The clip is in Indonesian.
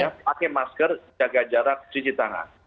ya pakai masker jaga jarak cuci tangan